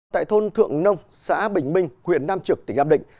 tại thôn thượng nông xã bình minh huyện nam trực tỉnh nam định